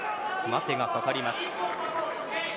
待てがかかります。